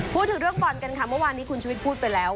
พูดถึงเรื่องบอลกันค่ะเมื่อวานนี้คุณชุวิตพูดไปแล้ว